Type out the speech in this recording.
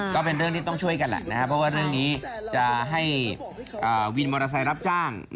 ก็เป็นเรื่องที่ต้องช่วยกันแหละนะครับเพราะว่าเรื่องนี้จะให้วินมอเตอร์ไซค์รับจ้าง